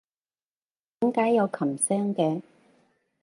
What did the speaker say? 點解有琴聲嘅？